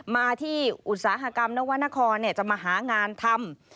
มาที่อุตสาหกรรมนวรรณครจะมาหางานทำ